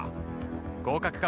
合格か？